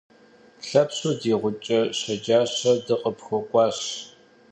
Лъэпщу ди гъукӏэ щэджащэ, дыкъыпхуэкӏуащ.